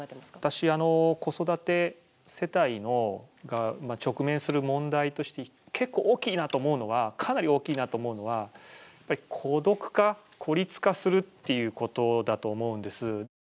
私子育て世帯が直面する問題として結構大きいなと思うのはかなり大きいなと思うのは孤独化孤立化するっていうことだと思うんです。